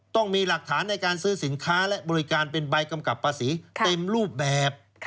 ต้องมีหลักฐานในการซื้อสินค้าและบริการเป็นใบกำกับภาษีเต็มรูปแบบ